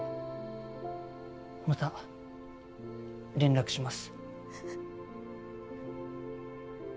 また連絡します。